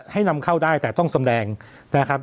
ให้นำเข้าได้แต่ต้องแสดงนะครับ